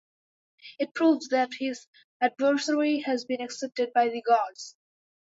It proves that his adversary has been accepted by the gods.